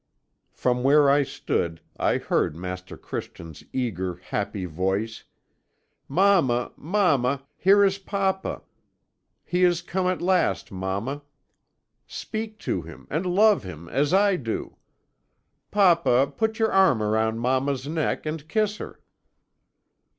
"From where I stood, I heard Master Christian's eager, happy voice: "'Mamma, mamma here is papa! He is come at last, mamma! Speak to him, and love him, as I do! Papa, put your arms around mamma's neck, and kiss her.'